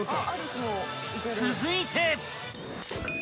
［続いて］